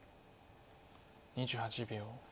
２８秒。